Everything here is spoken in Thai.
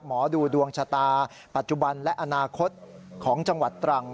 หมอดูดวงชะตาปัจจุบันและอนาคตของจังหวัดตรัง